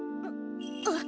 あっ。